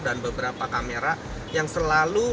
dan beberapa kamera yang selalu